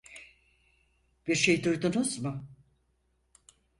Bir şey duydunuz mu?